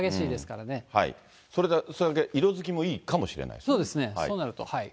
それだけ色づきもいいかもしそうですね、そうなると。